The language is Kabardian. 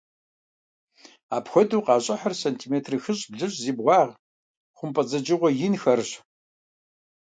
Апхуэдэу къащӀыхьыр сантиметр хыщӀ-блыщӀ зи бгъуагъ хъумпӀэцӀэджыгъуэ инхэрщ.